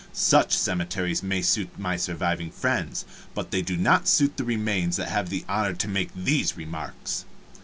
Such cemeteries may suit my surviving friends, but they do not suit the remains that have the honor to make these remarks.